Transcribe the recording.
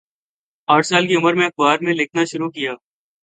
آٹھ سال کی عمر میں اخبار میں لکھنا شروع کیا